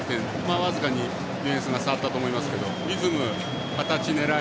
僅かにディフェンスが触ったと思いますけどもリズム、形、狙い